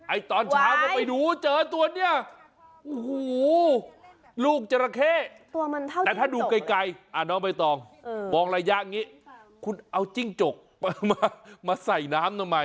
ตอนเช้าก็ไปดูเจอตัวเนี่ยโอ้โหลูกจราเข้ตัวมันเท่าไหร่แต่ถ้าดูไกลน้องใบตองมองระยะอย่างนี้คุณเอาจิ้งจกมาใส่น้ำทำไม